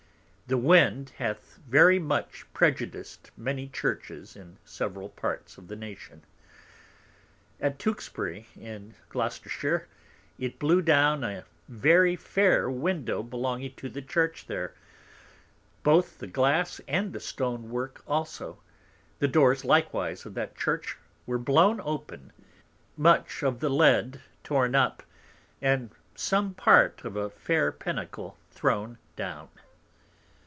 The Wind hath very much prejudiced many Churches in several Parts of the Nation. At Tewksbury in Gloucestershire, it blew down a very fair Window belonging to the Church there, both the Glass, and the Stone work also; the Doors likewise of that Church were blown open, much of the Lead torn up, and some Part of a fair Pinnacle thrown down.